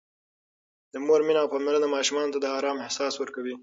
د مور مینه او پاملرنه ماشومانو ته د آرام احساس ورکوي.